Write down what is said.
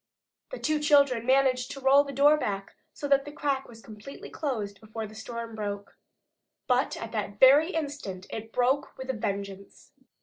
The two children managed to roll the door back so that the crack was completely closed before the storm broke. But at that very instant it broke with a vengeance.